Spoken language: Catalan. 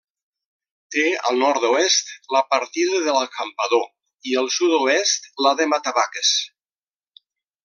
Té al nord-oest la partida de l'Acampador i al sud-oest la de Matavaques.